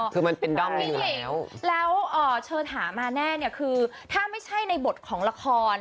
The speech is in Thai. คือมันเป็นด้อมมีอยู่แล้วแล้วเชิญถามมาแน่คือถ้าไม่ใช่ในบทของละคร